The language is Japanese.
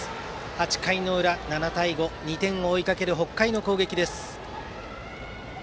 ８回の裏、７対５２点を追いかける北海の攻撃です。